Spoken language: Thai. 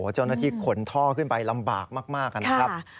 เจ้าหน้าที่ขนท่อขึ้นไปลำบากมากนะครับ